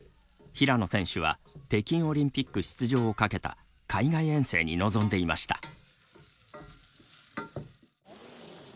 平野選手は北京オリンピック出場をかけた海外遠征に臨んでいました。